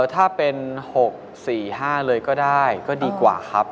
ถ้าเป็น๖๔๕เลยก็ได้ก็ดีกว่าครับ